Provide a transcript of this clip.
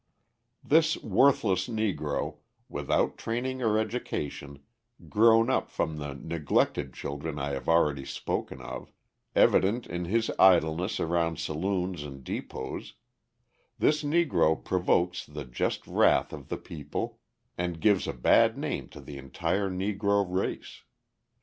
This worthless Negro, without training or education, grown up from the neglected children I have already spoken of, evident in his idleness around saloons and depots this Negro provokes the just wrath of the people, and gives a bad name to the entire Negro race.